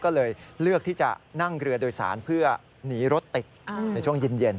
ก็เลยเลือกที่จะนั่งเรือโดยสารเพื่อหนีรถติดในช่วงเย็น